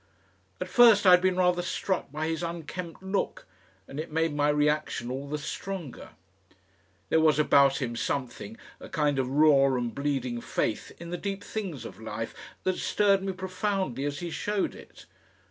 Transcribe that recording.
At first I had been rather struck by his unkempt look, and it made my reaction all the stronger. There was about him something, a kind of raw and bleeding faith in the deep things of life, that stirred me profoundly as he showed it.